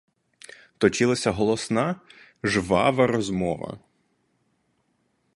Точилася голосна, жвава розмова.